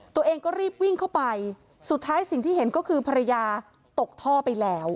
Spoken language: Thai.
ตัวเองก็รีบวิ่งเข้าไปสุดท้ายสิ่งที่เห็นก็คือภรรยาตกท่อไปแล้ว